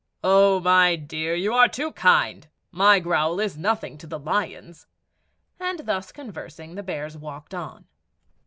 "Oh, my dear, you are too kind; my growl is nothing to the lion's." And thus conversing, the bears walked on.